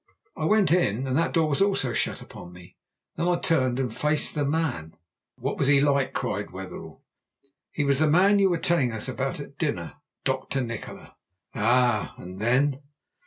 I went in, and that door was also shut upon me. Then I turned and faced the man." "What was he like?" cried Wetherell. "He was the man you were telling us about at dinner Dr. Nikola." "Ah! And then?"